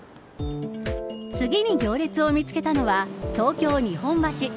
次に行列を見つけたのは東京、日本橋。